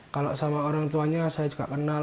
kalau sama orang tuanya saya juga kenal